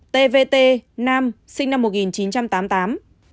bốn tvt nam sinh năm một nghìn chín trăm tám mươi